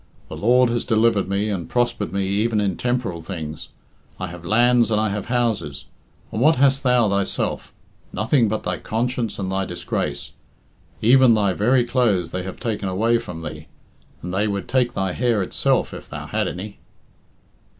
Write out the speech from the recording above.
The Lord has delivered me, and prospered me even in temporal things. I have lands and I have houses. And what hast thou thyself? Nothing but thy conscience and thy disgrace. Even thy very clothes they have taken away from thee, and they would take thy hair itself if thou had any."